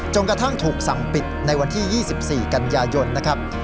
กระทั่งถูกสั่งปิดในวันที่๒๔กันยายนนะครับ